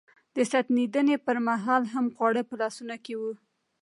د ستنېدنې پر مهال هم خواړه په لاسونو کې و.